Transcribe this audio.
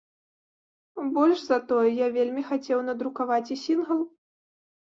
Больш за тое, я вельмі хацеў надрукаваць і сінгл.